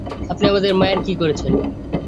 আপনি আমাদের মায়ের কি করেছেন?